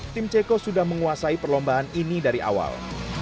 tim ceko sudah menguasai perlombaan ini dari awal